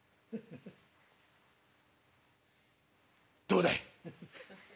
「どうだい」。